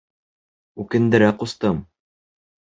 Үкендерә, ҡустым!